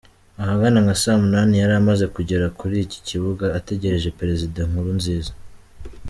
Ahagana nka saa munani yari yamaze kugera kuri iki kibuga ategereje Perezida Nkurunziza.